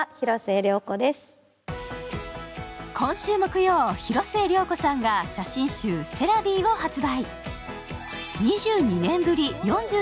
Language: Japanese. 今週木曜、広末涼子さんが写真集「Ｃ’ｅｓｔｌａＶｉｅ」を発売。